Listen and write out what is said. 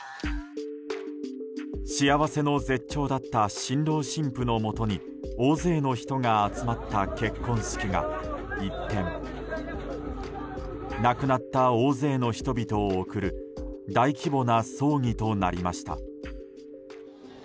幸せの絶頂だった新郎・新婦のもとに大勢の人が集まった結婚式が一転亡くなった大勢の人々を送る大規模な葬儀となりました。